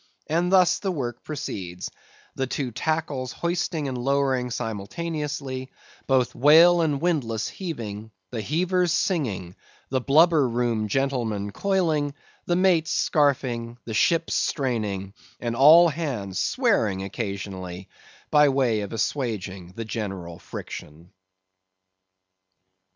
And thus the work proceeds; the two tackles hoisting and lowering simultaneously; both whale and windlass heaving, the heavers singing, the blubber room gentlemen coiling, the mates scarfing, the ship straining, and all hands swearing occasionally, by way of assuaging the general friction.